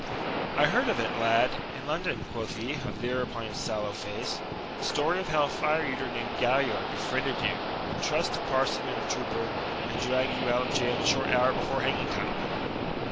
"I heard of it, lad, in London," quoth he, a leer upon his sallow face "the story of how a fire eater named Galliard befriended you, trussed a parson and a trooper, and dragged you out of jail a short hour before hanging time."